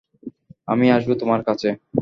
আমি আসবো তোমার কাছে!